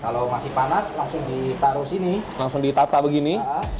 kalau masih panas langsung ditaruh sini langsung ditata begini